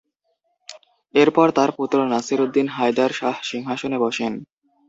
এরপর তার পুত্র নাসিরউদ্দিন হায়দার শাহ সিংহাসনে বসেন।